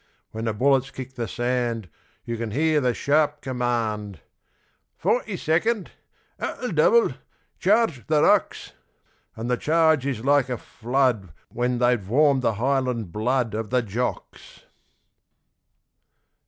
When the bullets kick the sand You can hear the sharp command 'Forty Second! At the double! Charge the rocks!' And the charge is like a flood When they've warmed the Highland blood Of the Jocks!